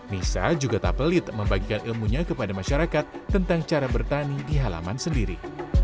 nisa juga tak pelit membagikan ilmunya kepada masyarakat tentang cara bertani di halaman sendiri